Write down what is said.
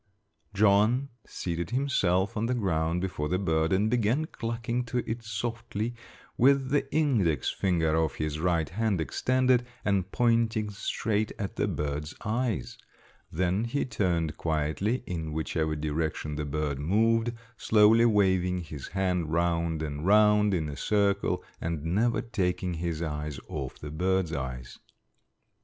John seated himself on the ground before the bird and began clucking to it softly, with the index finger of his right hand extended and pointing straight at the bird's eyes; then he turned quietly in whichever direction the bird moved, slowly waving his hand round and round in a circle and never taking his eyes off the bird's eyes.